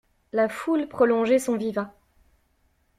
La foule prolongeait son vivat.